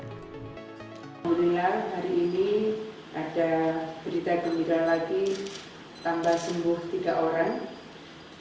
kemudian hari ini ada berita gembira lagi tambah sembuh tiga orang